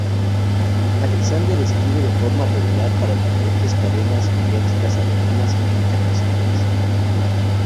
Alexander escribe de forma regular para diferentes cadenas mediáticas alemanas e internacionales.